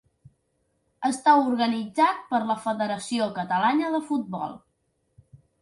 Està organitzat per la Federació Catalana de Futbol.